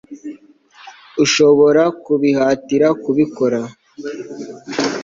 urashobora kubihatira kubikora